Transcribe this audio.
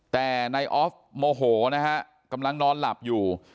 แต่นายออฟโมโหนะฮะกำลังนอนหลับอยู่